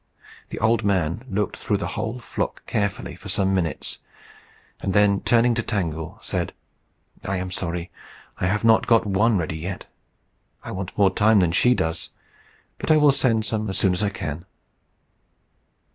The old man looked through the whole flock carefully for some minutes, and then turning to Tangle, said, "I am sorry I have not got one ready yet. I want more time than she does. But I will send some as soon as I can."